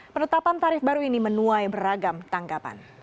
penetapan tarif baru ini menuai beragam tanggapan